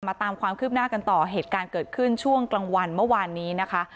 ตามความคืบหน้ากันต่อเหตุการณ์เกิดขึ้นช่วงกลางวันเมื่อวานนี้นะคะ